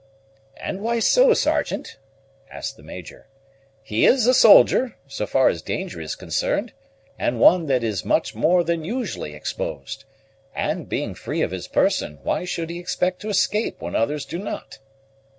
"And why so, Sergeant?" asked the Major. "He is a soldier, so far as danger is concerned, and one that is much more than usually exposed; and, being free of his person, why should he expect to escape when others do not?"